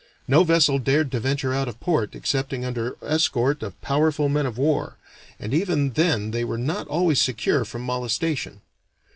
No vessel dared to venture out of port excepting under escort of powerful men of war, and even then they were not always secure from molestation.